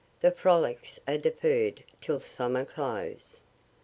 The frolics are deferr'd till summer close.